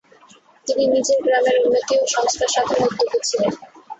তিনি নিজের গ্রামের উন্নতি ও সংস্কারসাধনে উদ্যোগী ছিলেন।